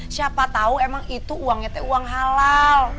siapa tau emang itu uangnya teh uang halal